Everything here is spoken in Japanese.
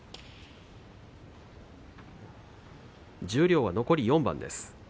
十両は残り４番です。